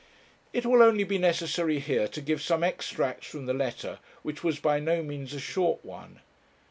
It will only be necessary here to give some extracts from the letter, which was by no means a short one.